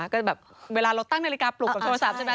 ก็แบบเวลาเราตั้งนาฬิกาปลุกกับโทรศัพท์ใช่ไหม